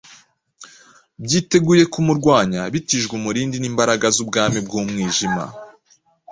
byiteguye kumurwanya bitijwe umurindi n’imbaraga z’ubwami bw’umwijima.